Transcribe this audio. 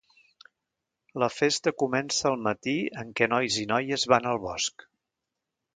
La festa comença al matí en què nois i noies van al bosc.